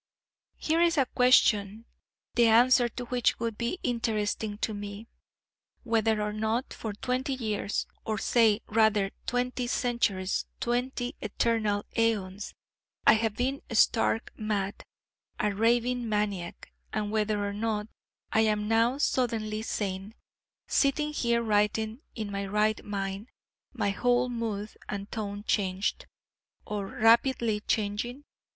Here is a question, the answer to which would be interesting to me: Whether or not for twenty years or say rather twenty centuries, twenty eternal aeons I have been stark mad, a raving maniac; and whether or not I am now suddenly sane, sitting here writing in my right mind, my whole mood and tone changed, or rapidly changing?